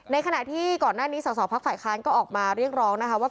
ขณะที่ก่อนหน้านี้สอสอพักฝ่ายค้านก็ออกมาเรียกร้องนะคะว่า